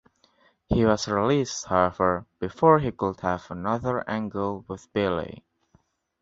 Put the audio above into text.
He was released, however, before he could have another angle with Billy.